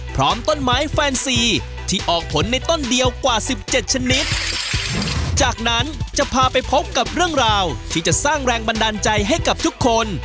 พร้อมต้นไม้แฟนซีที่ออกผลในต้นเดียวกว่าสิบเจ็ดชนิดจากนั้นจะพาไปพบกับเรื่องราวที่จะสร้างแรงบันดาลใจให้กับทุกคน